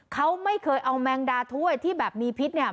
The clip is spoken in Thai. เขาไม่เคยเอาแมงดาถ้วยที่แบบมีพิษเนี่ย